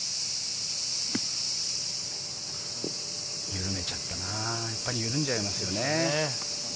緩めちゃったな、やっぱり緩んじゃいますよね。